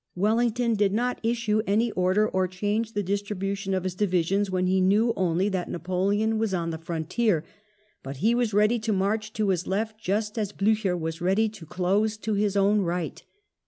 Wellington did not issue any order or change the distribution of his divisions when he knew only that Napoleon was on the frontier, but he was prepared to march to his left just as Blucher was ready to close to his own right.